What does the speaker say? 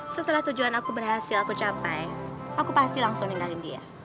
setelah tujuan aku berhasil aku capai aku pasti langsung ninggalin dia